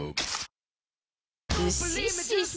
ウッシッシッシ